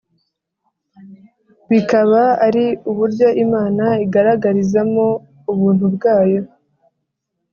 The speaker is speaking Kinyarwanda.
bikaba ari uburyo Imana igaragarizamo ubuntu bwayo